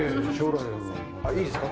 あっいいですか？